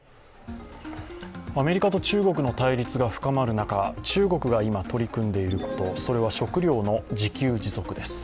アメリカと中国の対立が深まる中中国が今、取り組んでいること、それは食料の自給自足です。